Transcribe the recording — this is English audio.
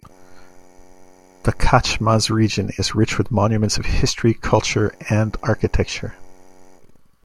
The Khachmaz region is rich with monuments of history, culture and architecture.